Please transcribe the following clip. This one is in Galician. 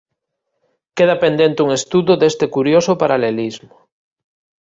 Queda pendente un estudo deste curioso paralelismo.